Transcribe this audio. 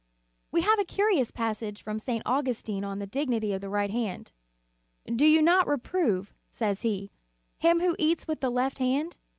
""]* We have a curious passage from St. Au gustin on the dignity of the right hand. "Do you not reprove," says he, "him who eats with the left hand